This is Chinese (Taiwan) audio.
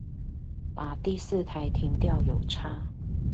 把第四台停掉有差